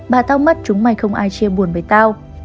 bà tao mất chúng mày không ai chia buồn với tao